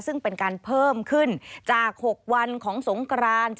ซึ่งเป็นการเพิ่มขึ้นจาก๖วันของสงกราน